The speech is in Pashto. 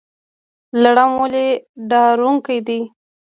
لړم ولې ډارونکی دی؟